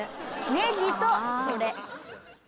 ネギとそれ。